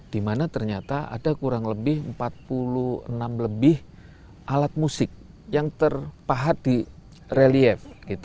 di mana ternyata ada kurang lebih empat puluh enam lebih alat musik yang terpahat di relief